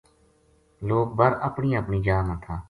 لوک بر اپنی اپنی جا ما تھا